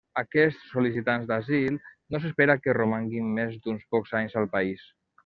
Aquests sol·licitants d'asil no s'espera que romanguin més d'uns pocs anys al país.